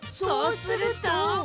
そうすると？